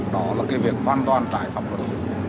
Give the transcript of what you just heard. đó là cái việc văn toàn trải phạm vấn